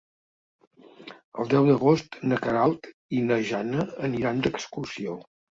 El deu d'agost na Queralt i na Jana aniran d'excursió.